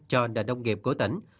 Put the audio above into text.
cho nền nông nghiệp của tỉnh